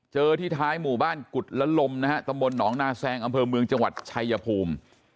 ที่ท้ายหมู่บ้านกุฎละลมนะฮะตำบลหนองนาแซงอำเภอเมืองจังหวัดชายภูมิ